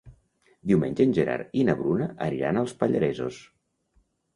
Diumenge en Gerard i na Bruna aniran als Pallaresos.